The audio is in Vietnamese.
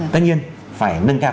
tất nhiên phải nâng cao